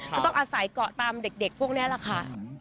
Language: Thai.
ก็ต้องอาศัยเกาะตามเด็กพวกนี้แหละค่ะ